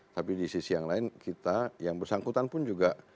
tapi di sisi yang lain kita yang bersangkutan pun juga